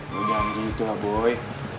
lo jangan jadi itu lah boy